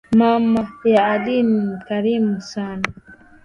Mama ya ali ni mkarimu sana.